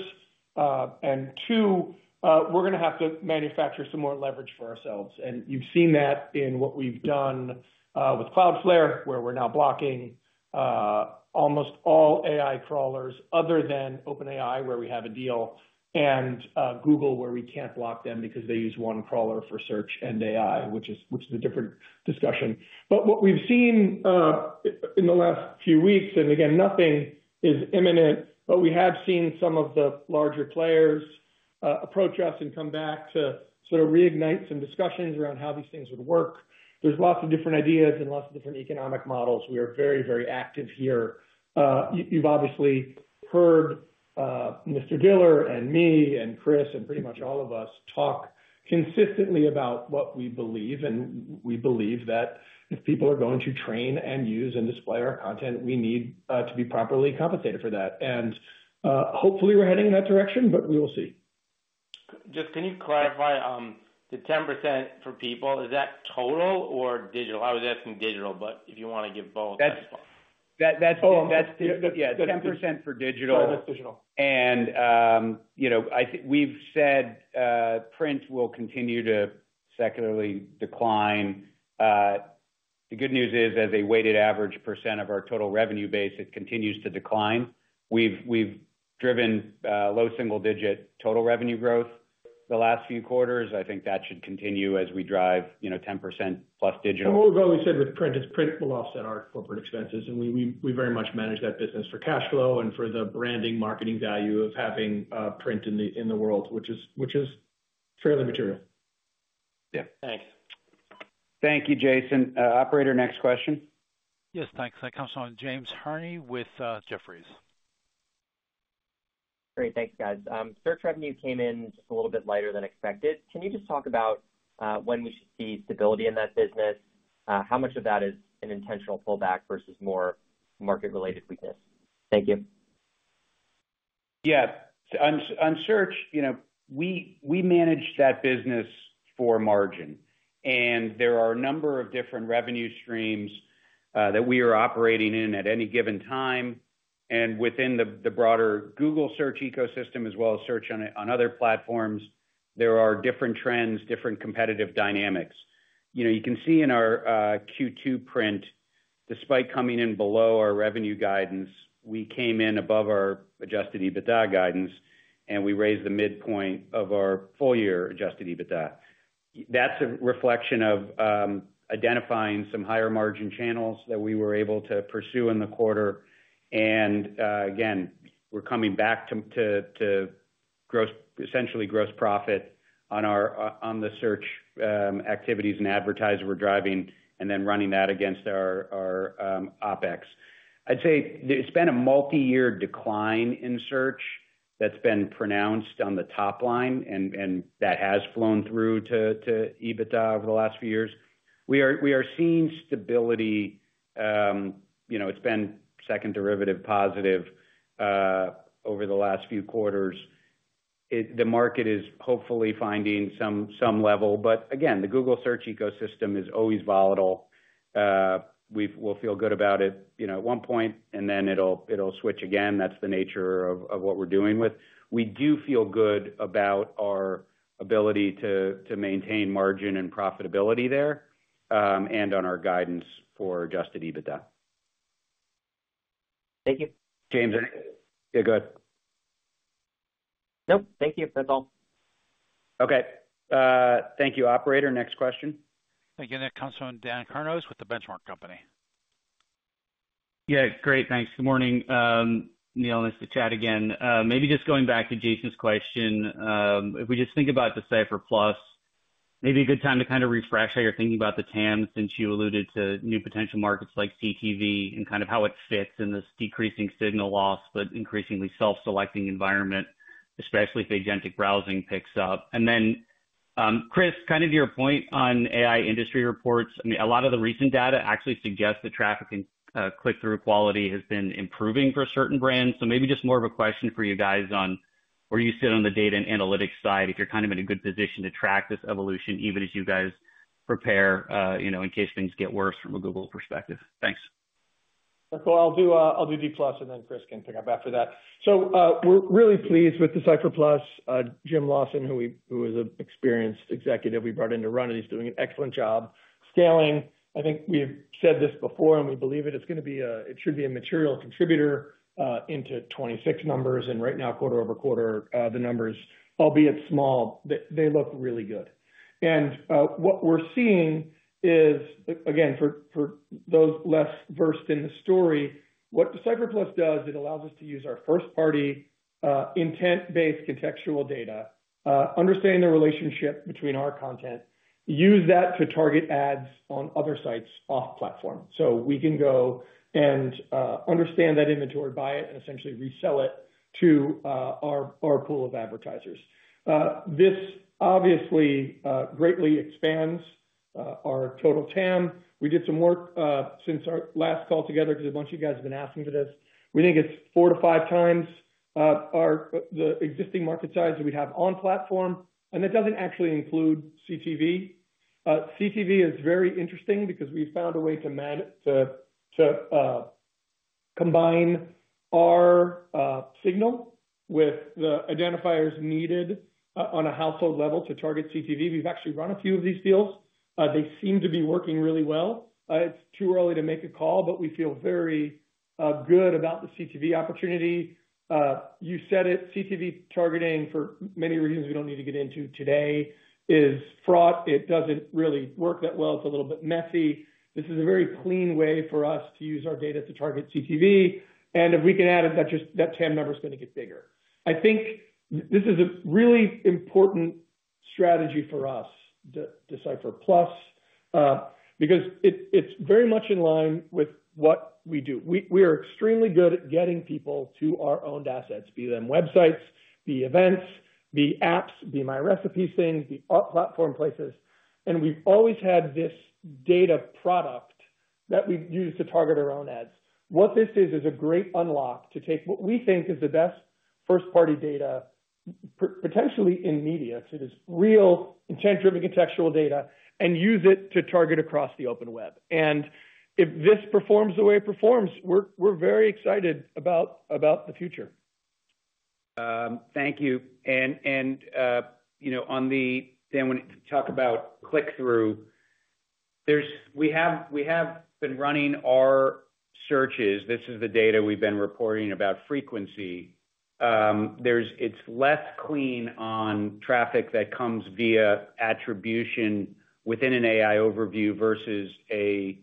C: Two, we're going to have to manufacture some more leverage for ourselves. You've seen that in what we've done with Cloudflare, where we're now blocking almost all AI crawlers other than OpenAI, where we have a deal, and Google, where we can't block them because they use one crawler for search and AI, which is a different discussion. What we've seen in the last few weeks, and again, nothing is imminent, is that we have seen some of the larger players approach us and come back to reignite some discussions around how these things would work. There's lots of different ideas and lots of different economic models. We are very, very active here. You've obviously heard Mr. Diller and me and Chris and pretty much all of us talk consistently about what we believe. We believe that if people are going to train and use and display our content, we need to be properly compensated for that. Hopefully, we're heading in that direction, but we will see.
H: Just can you clarify the 10% for People? Is that total or digital? I was asking digital, but if you want to give both, that's fine.
B: That's total. Yeah, 10% for digital.
C: Oh, that's digital.
B: We have said print will continue to secularly decline. The good news is, as a weighted average percent of our total revenue base, it continues to decline. We have driven low single-digit total revenue growth the last few quarters. I think that should continue as we drive 10%+ digital.
C: What we've always said with print is print will offset our corporate expenses. We very much manage that business for cash flow and for the branding marketing value of having print in the world, which is fairly material.
B: Yeah, thanks. Thank you, Jason. Operator, next question.
A: Yes, thanks. That comes from James Harney with Jefferies.
I: Great, thanks, guys. Search revenue came in just a little bit lighter than expected. Can you just talk about when we should see stability in that business? How much of that is an intentional pullback versus more market-related weakness? Thank you.
B: Yeah, on search, you know, we manage that business for margin. There are a number of different revenue streams that we are operating in at any given time. Within the broader Google search ecosystem, as well as search on other platforms, there are different trends and different competitive dynamics. You can see in our Q2 print, despite coming in below our revenue guidance, we came in above our Adjusted EBITDA guidance, and we raised the midpoint of our full-year Adjusted EBITDA. That's a reflection of identifying some higher margin channels that we were able to pursue in the quarter. We're coming back to essentially gross profit on the search activities and advertising we're driving, and then running that against our OpEx. I'd say it's been a multi-year decline in search that's been pronounced on the top line, and that has flown through to EBITDA over the last few years. We are seeing stability. It's been second derivative positive over the last few quarters. The market is hopefully finding some level, but the Google search ecosystem is always volatile. We'll feel good about it at one point, and then it'll switch again. That's the nature of what we're dealing with. We do feel good about our ability to maintain margin and profitability there, and on our guidance for Adjusted EBITDA.
I: Thank you.
B: James, yeah, go ahead.
I: Nope, thank you. That's all.
B: Okay. Thank you, Operator. Next question.
A: Again, that comes from Danny Kurnos with The Benchmark Company.
J: Yeah, great, thanks. Good morning. Neil, nice to chat again. Maybe just going back to Jason's question, if we just think about Decipher Plus, maybe a good time to kind of refresh how you're thinking about the TAM since you alluded to new potential markets like CTV and kind of how it fits in this decreasing signal loss, but increasingly self-selecting environment, especially if agentic browsing picks up. Chris, your point on AI industry reports, a lot of the recent data actually suggests that traffic and click-through quality has been improving for certain brands. Maybe just more of a question for you guys on where you sit on the data and analytics side, if you're kind of in a good position to track this evolution, even as you guys prepare, you know, in case things get worse from a Google perspective. Thanks.
C: That's cool. I'll do Decipher Plus, and then Chris can pick up after that. We're really pleased with Decipher Plus. Jim Lawson, who is an experienced executive we brought in to run it, is doing an excellent job scaling. I think we've said this before, and we believe it. It's going to be, it should be a material contributor into 2026 numbers. Right now, quarter-over-quarter, the numbers, albeit small, look really good. What we're seeing is, again, for those less versed in the story, what Decipher Plus does is it allows us to use our first-party intent-based contextual data, understand the relationship between our content, and use that to target ads on other sites off-platform. We can go and understand that inventory, buy it, and essentially resell it to our pool of advertisers. This obviously greatly expands our total TAM. We did some work since our last call together because a bunch of you have been asking for this. We think it's 4x-5x the existing market size that we have on-platform, and that doesn't actually include CTV. CTV is very interesting because we've found a way to combine our signal with the identifiers needed on a household level to target CTV. We've actually run a few of these deals. They seem to be working really well. It's too early to make a call, but we feel very good about the CTV opportunity. You said it, CTV targeting for many reasons we don't need to get into today is fraught. It doesn't really work that well. It's a little bit messy. This is a very clean way for us to use our data to target CTV. If we can add it, that TAM number is going to get bigger. I think this is a really important strategy for us, Decipher Plus, because it's very much in line with what we do. We are extremely good at getting people to our owned assets, be them websites, be events, be apps, be MyRecipes things, be off-platform places. We've always had this data product that we've used to target our own ads. What this is, is a great unlock to take what we think is the best first-party data, potentially in media, to this real intent-driven contextual data and use it to target across the open web. If this performs the way it performs, we're very excited about the future.
B: Thank you. When you talk about click-through, we have been running our searches. This is the data we've been reporting about frequency. It's less clean on traffic that comes via attribution within an AI Overview versus a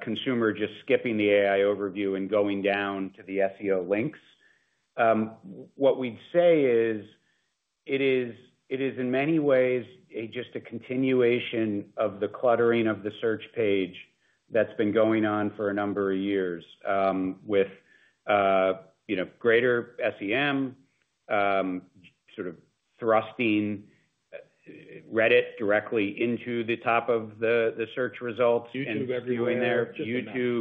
B: consumer just skipping the AI Overview and going down to the SEO links. What we'd say is it is in many ways just a continuation of the cluttering of the search page that's been going on for a number of years with greater SEM, sort of thrusting Reddit directly into the top of the search results.
C: YouTube everywhere.
B: You're doing there,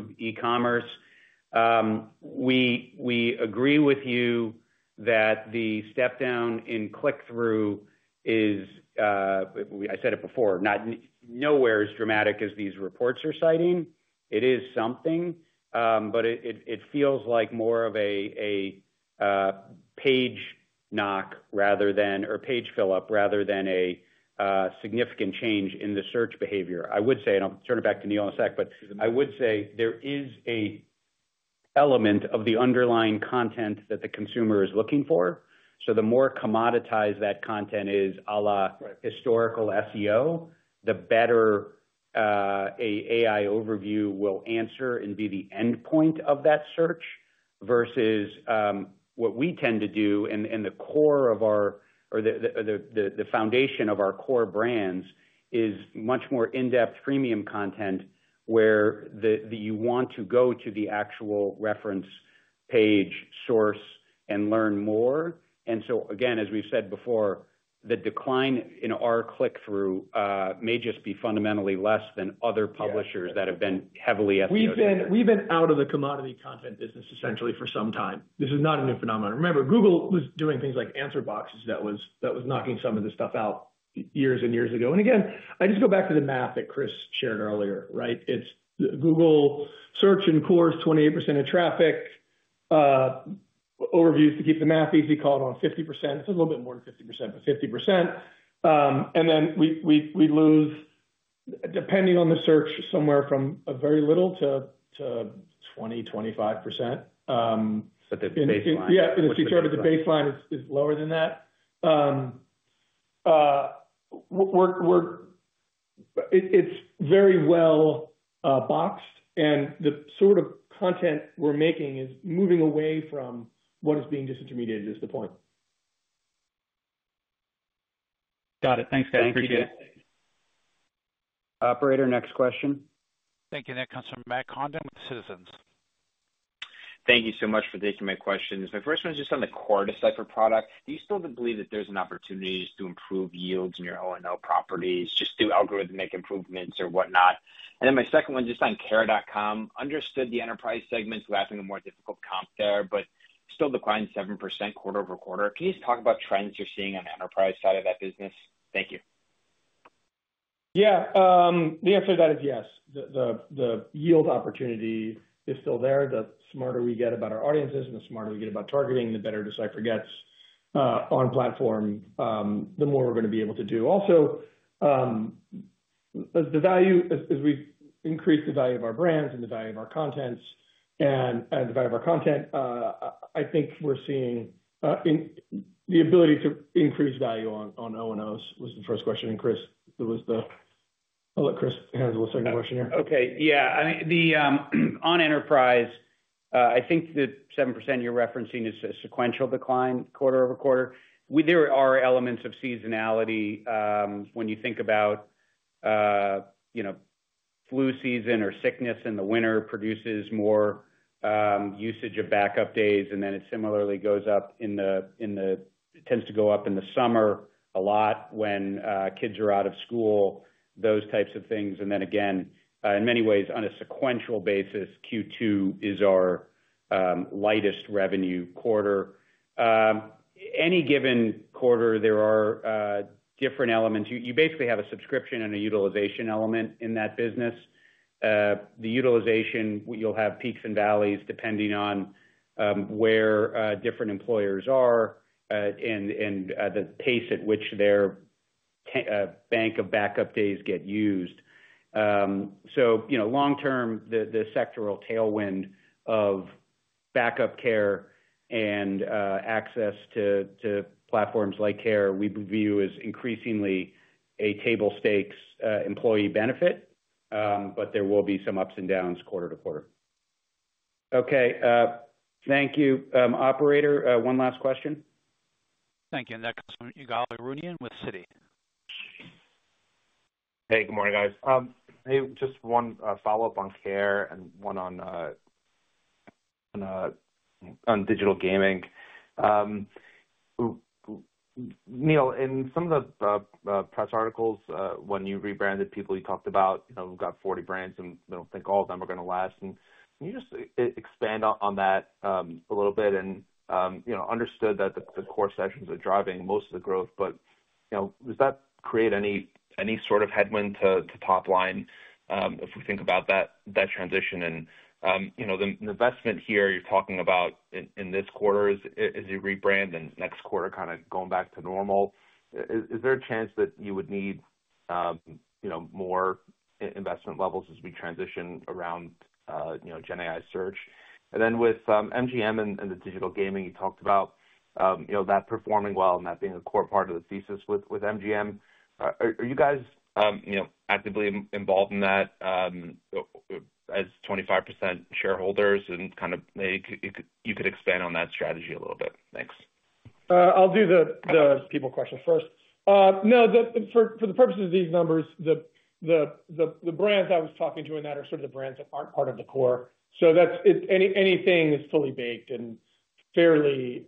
B: YouTube, e-commerce. We agree with you that the step down in click-through is, I said it before, not nowhere as dramatic as these reports are citing. It is something, but it feels like more of a page knock rather than, or page fill-up rather than a significant change in the search behavior. I would say there is an element of the underlying content that the consumer is looking for. The more commoditized that content is, a la historical SEO, the better an AI Overview will answer and be the endpoint of that search versus what we tend to do. The core of our, or the foundation of our core brands is much more in-depth freemium content where you want to go to the actual reference page source and learn more. As we've said before, the decline in our click-through may just be fundamentally less than other publishers that have been heavily upgraded.
C: We've been out of the commodity content business essentially for some time. This is not a new phenomenon. Remember, Google was doing things like AnswerBox that was knocking some of this stuff out years and years ago. I just go back to the math that Chris shared earlier, right? It's Google search and, of course, 28% of traffic, overviews to keep the math easy, call it on 50%. It's a little bit more than 50%, but 50%. Then we lose, depending on the search, somewhere from very little to 20%, 25%.
B: At the baseline.
C: If you start at the baseline, it's lower than that. It's very well-boxed, and the sort of content we're making is moving away from what is being disintermediated is the point.
B: Got it. Thanks, guys. Appreciate it. Operator, next question.
A: Thank you. That comes from Matt Condon with Citizens.
K: Thank you so much for taking my questions. My first one is just on the core Decipher Plus product. Do you still believe that there's an opportunity to improve yields in your O&O properties just through algorithmic improvements or whatnot? My second one is just on care.com. Understood the enterprise segment is lapping a more difficult comp there, but still declining 7% quarter-over-quarter. Can you just talk about trends you're seeing on the enterprise side of that business? Thank you.
C: Yeah. The answer to that is yes. The yield opportunity is still there. The smarter we get about our audiences and the smarter we get about targeting and the better Decipher gets on platform, the more we're going to be able to do. Also, the value, as we've increased the value of our brands and the value of our content, I think we're seeing the ability to increase value on O&Os was the first question. Chris, I'll let Chris handle the second question here.
B: Okay. Yeah. I mean, on enterprise, I think the 7% you're referencing is a sequential decline quarter-over-quarter. There are elements of seasonality when you think about, you know, flu season or sickness in the winter produces more usage of backup days, and it similarly goes up in the, tends to go up in the summer a lot when kids are out of school, those types of things. In many ways, on a sequential basis, Q2 is our lightest revenue quarter. Any given quarter, there are different elements. You basically have a subscription and a utilization element in that business. The utilization, you'll have peaks and valleys depending on where different employers are and the pace at which their bank of backup days get used. Long term, the sectoral tailwind of backup care and access to platforms like care.com, we view as increasingly a table stakes employee benefit, but there will be some ups and downs quarter to quarter. Okay. Thank you, Operator. One last question.
A: Thank you. That comes from Ygal Arounian with Citi.
L: Hey, good morning, guys. Just one follow-up on Care and one on digital gaming. Neil, in some of the press articles, when you rebranded People, you talked about, you know, we've got 40 brands and don't think all of them are going to last. Can you just expand on that a little bit? Understood that the core sessions are driving most of the growth, but does that create any sort of headwind to top line if we think about that transition? The investment here you're talking about in this quarter is a rebrand and next quarter kind of going back to normal. Is there a chance that you would need more investment levels as we transition around GenAI search? With MGM and the digital gaming you talked about, that performing well and that being a core part of the thesis with MGM, are you guys actively involved in that as 25% shareholders? Maybe you could expand on that strategy a little bit. Thanks.
C: I'll do the People question first. No, for the purposes of these numbers, the brands I was talking to in that are sort of the brands that aren't part of the core. That's anything that's fully baked and fairly,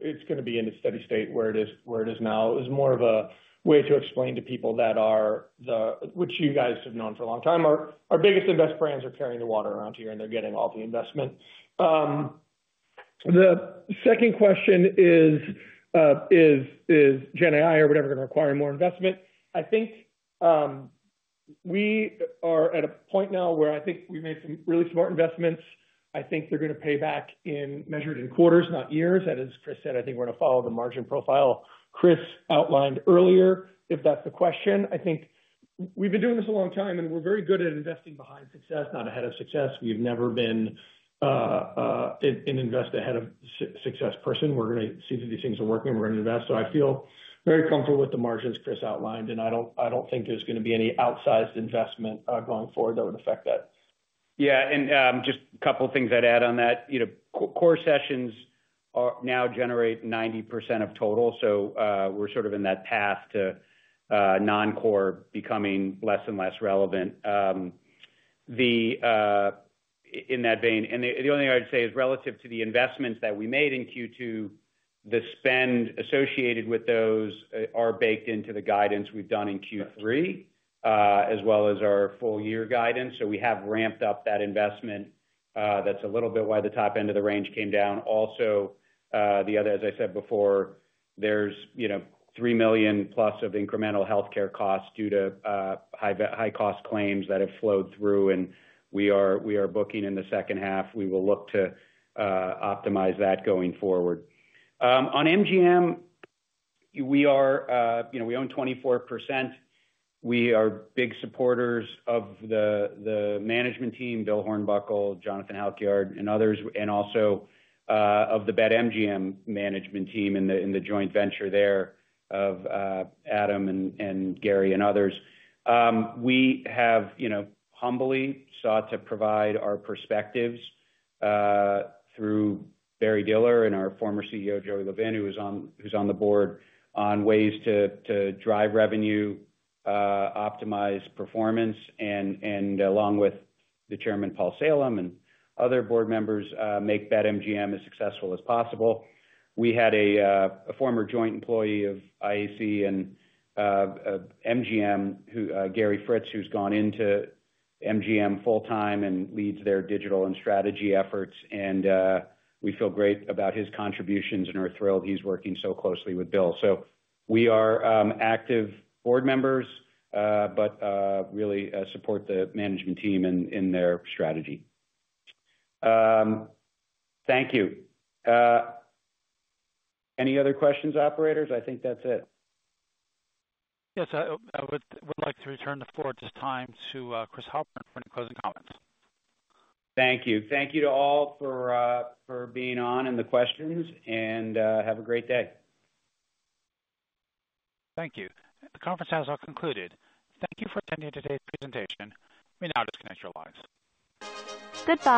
C: it's going to be in a steady state where it is now. It was more of a way to explain to people that are the, which you guys have known for a long time, our biggest and best brands are carrying the water around here and they're getting all the investment. The second question is, is GenAI or whatever going to require more investment? I think we are at a point now where I think we've made some really smart investments. I think they're going to pay back in measured in quarters, not years. As Chris said, I think we're going to follow the margin profile Chris outlined earlier, if that's the question. I think we've been doing this a long time and we're very good at investing behind success, not ahead of success. We've never been an invest ahead of success person. We're going to see that these things are working and we're going to invest. I feel very comfortable with the margins Chris outlined and I don't think there's going to be any outsized investment going forward that would affect that.
B: Yeah, and just a couple of things I'd add on that. Core sessions now generate 90% of total, so we're sort of in that path to non-core becoming less and less relevant in that vein. The only thing I'd say is relative to the investments that we made in Q2, the spend associated with those are baked into the guidance we've done in Q3, as well as our full-year guidance. We have ramped up that investment. That's a little bit why the top end of the range came down. Also, as I said before, there's $3+ million of incremental healthcare costs due to high-cost claims that have flowed through and we are booking in the second half. We will look to optimize that going forward. On MGM, we own 24%. We are big supporters of the management team, Bill Hornbuckle, Jonathan Halkyard, and others, and also of the BetMGM management team in the joint venture there of Adam and Gary and others. We have humbly sought to provide our perspectives through Barry Diller and our former CEO, Joey Levin, who's on the board, on ways to drive revenue, optimize performance, and along with the Chairman, Paul Salem, and other board members, make BetMGM as successful as possible. We had a former joint employee of IAC and MGM, Gary Fritz, who's gone into MGM full-time and leads their digital and strategy efforts. We feel great about his contributions and are thrilled he's working so closely with Bill. We are active board members, but really support the management team in their strategy. Thank you. Any other questions, Operators? I think that's it.
A: Yes, I would like to return the floor at this time to Christopher Halpin for any closing comments.
B: Thank you to all for being on and the questions, and have a great day.
A: Thank you. The conference has now concluded. Thank you for attending today's presentation. We now disconnect your lines.
M: Goodbye.